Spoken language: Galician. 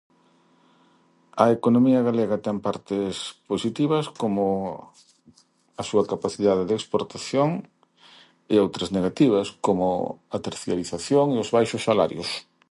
A economía galega ten partes positivas, como a súa capacidade de exportación, e outras negativas, como a tercialización e os baixos salarios.